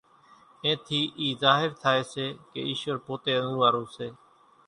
اين ٿي اِي ظاھر ٿائي سي ڪي ايشور پوتي انزوئارون سي،